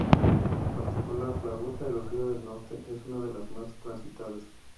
En particular la ruta del Río del Norte es una de las más transitadas.